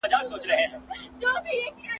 څښتن حیات مال يې میراث.